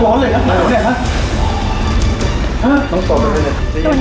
ไม่ต้องกลับมาที่นี่